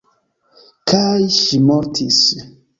Kaj ŝi mortis.